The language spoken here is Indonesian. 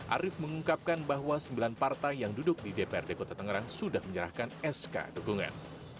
arief mengungkapkan bahwa sembilan partai yang duduk di dprd kota tangerang sudah menyerahkan sk dukungan